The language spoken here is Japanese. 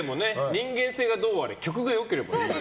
人間性がどうあれ、曲が良ければ。